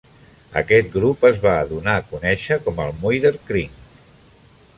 Aquest grup es va donar a conèixer com el Muiderkring.